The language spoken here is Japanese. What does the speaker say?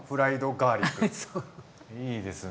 いいですね。